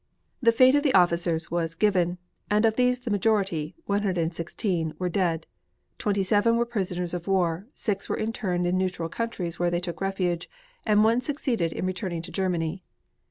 The fate of the officers was given, and of these the majority (116) were dead; twenty seven were prisoners of war, six were interned in neutral countries where they took refuge, and one succeeded in returning to Germany.